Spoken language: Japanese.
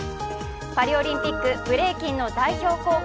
パリオリンピック、ブレイキンの代表候補